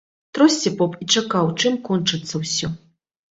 Тросся поп і чакаў, чым кончыцца ўсё.